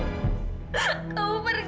aku benci kamu aku benci kamu